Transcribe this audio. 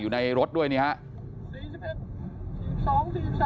อยู่ในรถด้วยนี่ครับ